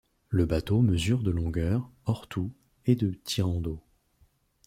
Le bateau mesure de longueur hors-tout et de tirant d'eau.